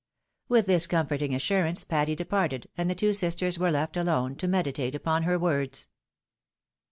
With this comforting assurance Patty departed, and the two sisters were left alone to meditate upon her words.